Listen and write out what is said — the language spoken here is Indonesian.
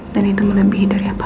dan itu melebihi dari apapun